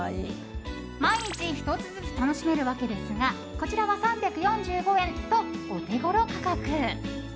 毎日１つずつ楽しめるわけですがこちらは３４５円とオテゴロ価格。